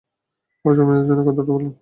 ওর জন্মদিনের জন্য কথাটা বললাম!